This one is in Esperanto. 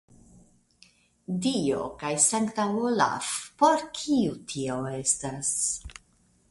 Dio kaj sankta Olaf, por kiu tio estas?